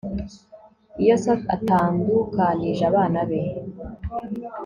Iyo se atandukanije abana be